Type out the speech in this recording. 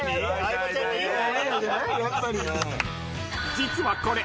［実はこれ］